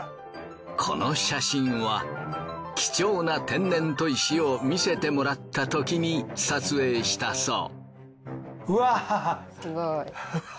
この写真は貴重な天然砥石を見せてもらったときに撮影したそう。